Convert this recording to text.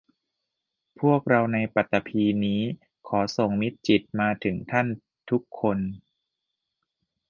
พวกเราในปฐพีนี้ขอส่งมิตรจิตมาถึงท่านทุกคน